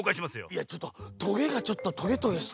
いやちょっとトゲがちょっとトゲトゲしてて。